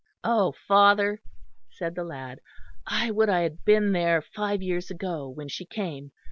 "Oh! father," said the lad, "I would I had been there five years ago when she came.